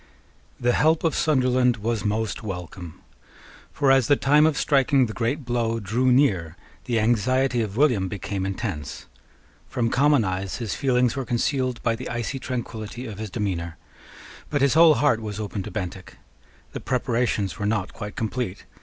The help of Sunderland was most welcome. For, as the time of striking the great blow drew near, the anxiety of William became intense. From common eyes his feelings were concealed by the icy tranquillity of his demeanour: but his whole heart was open to Bentinck. The preparations were not quite complete.